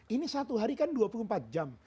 ini satu hari kan dua puluh empat jam